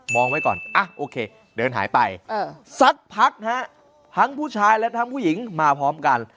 ไว้ก่อนโอเคเดินหายไปสักพักฮะทั้งผู้ชายและทั้งผู้หญิงมาพร้อมกัน